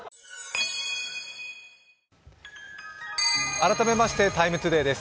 改めまして、「ＴＩＭＥ，ＴＯＤＡＹ」です。